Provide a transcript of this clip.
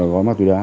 một gói ma túy đá